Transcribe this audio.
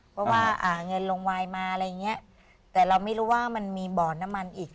เพราะว่าเงินลงวายมาอะไรอย่างเงี้ยแต่เราไม่รู้ว่ามันมีบ่อน้ำมันอีก